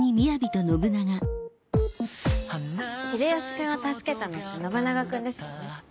秀吉君を助けたのって信長君ですよね？